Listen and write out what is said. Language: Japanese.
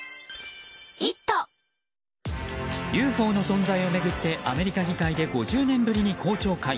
ＵＦＯの存在を巡ってアメリカ議会で５０年ぶりに公聴会。